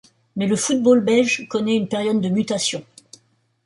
Mais le football belge connait une période de mutation.